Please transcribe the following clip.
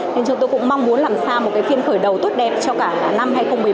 nên chúng tôi cũng mong muốn làm ra một phiên khởi đầu tốt đẹp cho cả năm hai nghìn một mươi bảy